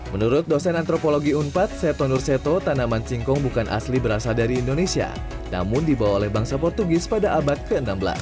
menurut dosen antropologi unpad seto nurseto tanaman singkong bukan asli berasal dari indonesia namun dibawa oleh bangsa portugis pada abad ke enam belas